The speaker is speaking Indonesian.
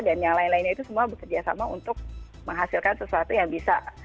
dan yang lain lainnya itu semua bekerjasama untuk menghasilkan sesuatu yang bisa